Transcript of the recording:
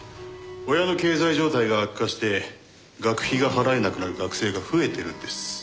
親の経済状態が悪化して学費が払えなくなる学生が増えてるんです。